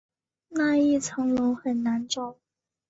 那一层楼很难找